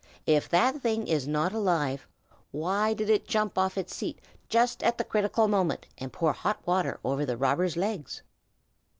If that thing is not alive, why did it jump off its seat just at the critical moment, and pour hot water over the robber's legs?"